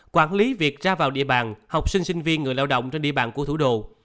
quản lý việc ra vào địa bàn học sinh sinh viên người lao động trên địa bàn của thủ đô